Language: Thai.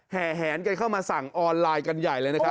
แหนกันเข้ามาสั่งออนไลน์กันใหญ่เลยนะครับ